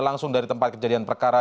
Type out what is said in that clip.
langsung dari tempat kejadian perkara